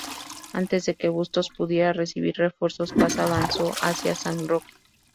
Antes de que Bustos pudiera recibir refuerzos, Paz avanzó hacia San Roque.